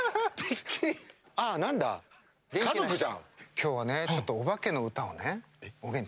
今日はねちょっとおばけの歌をねおげん